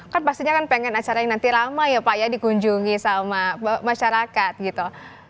kan pastinya kan pengen acara yang nanti lama ya pak ya dikunjungi sama masyarakat gitu